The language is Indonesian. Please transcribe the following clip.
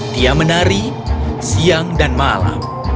dia menari siang dan malam